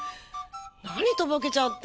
何とぼけちゃって。